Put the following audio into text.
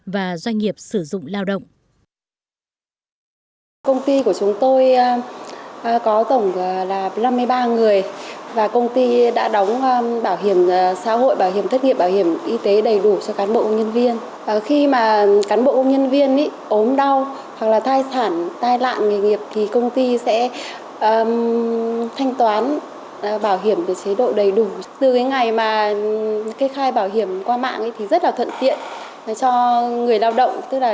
và doanh nghiệp sử dụng lao động